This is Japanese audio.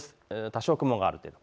多少雲がある程度。